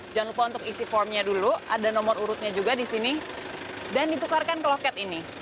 jangan lupa untuk isi formnya dulu ada nomor urutnya juga di sini dan ditukarkan ke loket ini